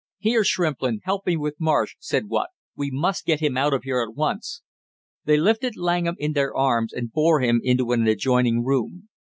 "Here, Shrimplin, help me with Marsh!" said Watt. "We must get him out of here at once!" They lifted Langham in their arms and bore him into an adjoining room.